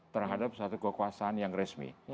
terhadap satu kekuasaan yang resmi